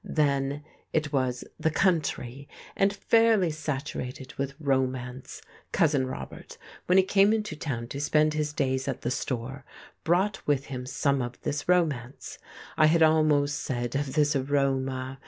Then it was "the country," and fairly saturated with romance. Cousin Robert, when he came into town to spend his days at the store, brought with him some of this romance, I had almost said of this aroma.